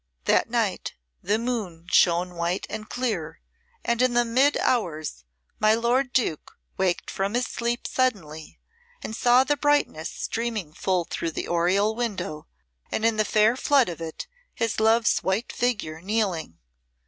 That night the moon shone white and clear, and in the mid hours my lord Duke waked from his sleep suddenly, and saw the brightness streaming full through the oriel window, and in the fair flood of it his love's white figure kneeling.